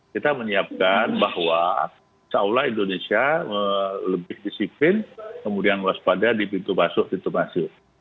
kita menyiapkan bahwa insya allah indonesia lebih disiplin kemudian waspada di pintu masuk pintu masuk